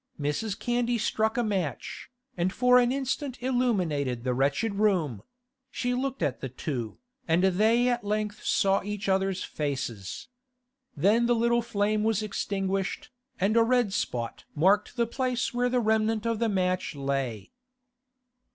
Mrs. Candy struck a match, and for an instant illuminated the wretched room; she looked at the two, and they at length saw each other's faces. Then the little flame was extinguished, and a red spot marked the place where the remnant of the match lay.